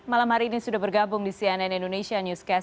malam hari ini sudah bergabung di cnn indonesia newscast